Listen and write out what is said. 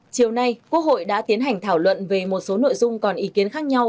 chiều nay quốc hội đã tiến hành thảo luận về một số nội dung còn ý kiến khác nhau